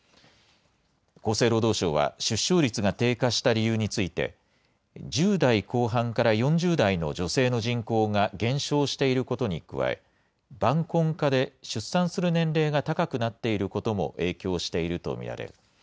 厚生労働省は、出生率が低下した理由について、１０代後半から４０代の女性の人口が減少していることに加え、晩婚化で出産する年齢が高くなっていることも影響していると見られる。